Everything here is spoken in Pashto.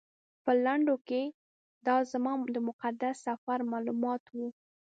په لنډو کې دا زما د مقدس سفر معلومات و.